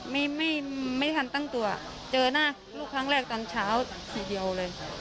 ไม่ทันตั้งตัวเจอหน้าลูกครั้งแรกตอนเช้าทีเดียวเลย